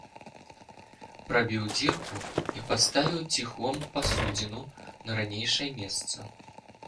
Прабіў дзірку і паставіў ціхом пасудзіну на ранейшае месца.